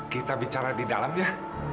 kita bicara di dalam ya